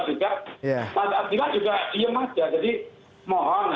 setelah itu agil aksan saya ajak ke temanggung